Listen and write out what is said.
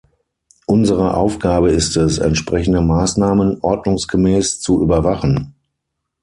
Unsere Aufgabe ist es, entsprechende Maßnahmen ordnungsgemäß zu überwachen.